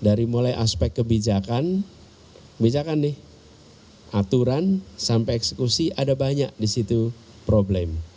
dari mulai aspek kebijakan misalkan nih aturan sampai eksekusi ada banyak di situ problem